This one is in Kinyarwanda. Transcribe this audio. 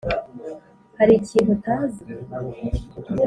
hari ikintu utazi?"